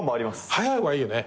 早い方がいいよね。